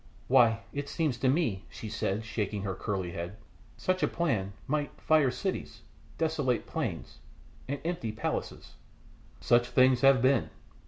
"Why, it seems to me," she said, shaking her curly head, "such a plan might fire cities, desolate plains, and empty palaces " "Such things have been."